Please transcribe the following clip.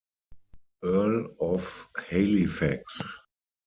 Earl of Halifax.